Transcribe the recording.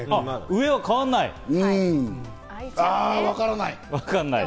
上は変わらない？